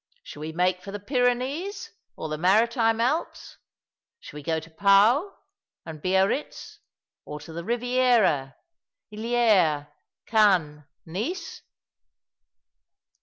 Shall we make for the Pyrenees or the Maritime Alps ? Shall we go to Pau, and Biarritz, or to the Eiviera, Hyeres, Cannes, Nice?"